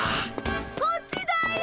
こっちだよ！